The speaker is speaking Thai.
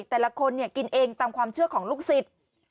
แต่ละคนเนี่ยกินเองตามความเชื่อของลูกสิต